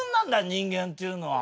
人間っていうのは。